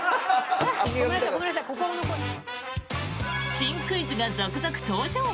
新クイズが続々登場！